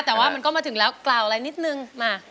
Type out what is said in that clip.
แต่ว่ามันก็มาถึงแล้วกล่าวอะไรนิดนึงมา